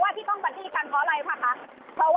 ผ่านอากาศนี้ก็คือการอัดอากาศ